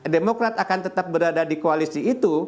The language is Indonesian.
demokrat akan tetap berada di koalisi itu